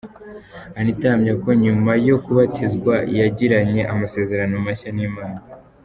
Anita ahamya ko nyuma yo kubatizwa yagiranye amasezerano mashya n’Imana.